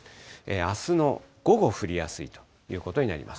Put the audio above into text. あすの午後、降りやすいということになります。